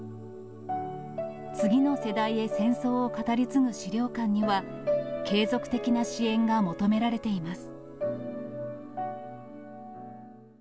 次の世代へ戦争を語り継ぐ資料館には、継続的な支援が求められています。